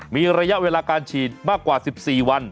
มีระยะเวลาการฉีดมากกว่า๑๔วัน